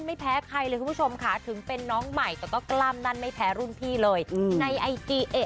ไม่พ้นความขาถึงเป็นน้องใหม่แต่ก็กล้ามด้านในแถลหุ้นพี่เลยในไอทีเอะ